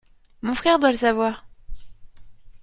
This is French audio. Mon frère doit le savoir.